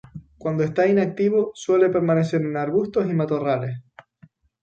Cuando está inactivo suele permanecer en arbustos y matorrales.